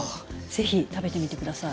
是非食べてみて下さい。